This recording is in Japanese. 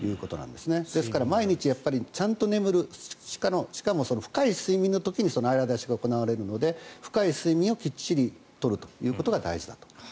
ですから毎日ちゃんと眠るしかも深い睡眠の時に洗い流しが行われるので深い睡眠をしっかり取ることが大事だと。